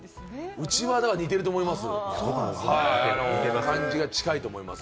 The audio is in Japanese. うちは似てると思います。